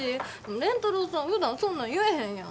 蓮太郎さんふだんそんなん言えへんやん。